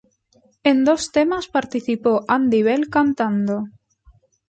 En dos temas participó Andy Bell cantando.